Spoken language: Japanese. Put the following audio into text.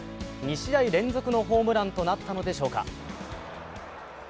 ２試合連続のホームランとなったのでしょうか。